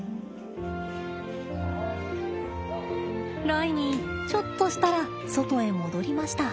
ライミーちょっとしたら外へ戻りました。